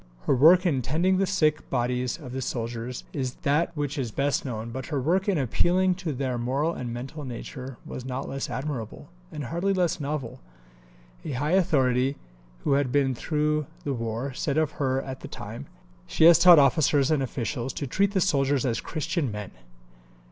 Her work in tending the sick bodies of the soldiers is that which is best known, but her work in appealing to their moral and mental nature was not less admirable, and hardly less novel. A high authority, who had been through the war, said of her at the time, "She has taught officers and officials to treat the soldiers as Christian men."